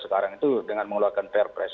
sekarang itu dengan mengeluarkan perpres